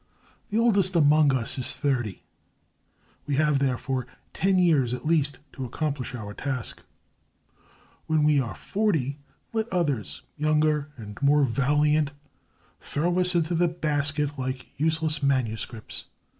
The oldest amongst us is thirty; we have, therefore, ten years at least to accomplish our task. When we are forty, let others, younger and more valiant, throw us into the basket like useless manuscripts!...